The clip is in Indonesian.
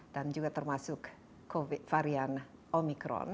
dan juga termasuk varian omicron